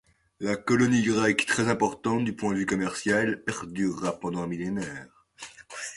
La colonie grecque très importante du point de vue commercial, perdura pendant un millénaire.